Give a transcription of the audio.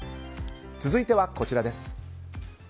続いてはこちらです。